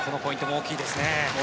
大きいですね。